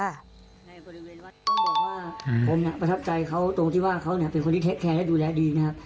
ต้องบอกว่าผมประทับใจเขาตรงที่ว่าเขาเป็นคนที่ดูแลดีนะครับ